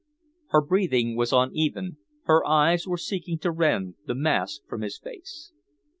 Her breathing was uneven, her eyes were seeking to rend the mask from his face.